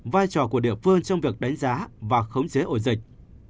vai trò của địa phương trong việc đánh giá và khống chế ổ dịch